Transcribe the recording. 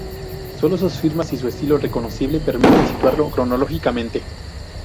Sólo sus firmas y su estilo reconocible permiten situarlo cronológicamente.